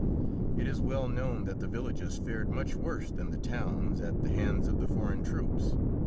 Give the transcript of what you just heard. It is well known that the villages fared much worse than the towns at the hands of the foreign troops.